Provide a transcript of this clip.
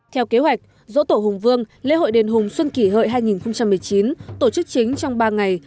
theo kế hoạch dỗ tổ hùng vương lễ hội đền hùng xuân kỷ hợi hai nghìn một mươi chín tổ chức chính trong ba ngày